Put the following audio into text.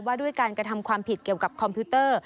ด้วยการกระทำความผิดเกี่ยวกับคอมพิวเตอร์